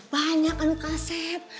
banyak kan lu kasep